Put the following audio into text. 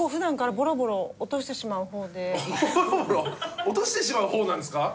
ボロボロ落としてしまう方なんですか？